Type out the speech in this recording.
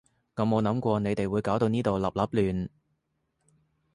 我冇諗過你哋會搞到呢度笠笠亂